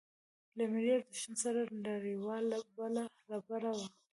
له ملي ارزښتونو سره لريوالۍ بله ربړه وه.